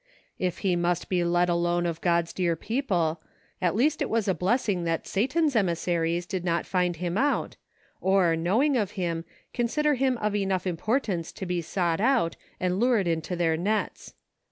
If he must be let alone of God's dear people, at least it was a blessing that Satan's emissaries did not find him out, or, knowing of him, consider him of enough importance to be sought out and lured into their nets.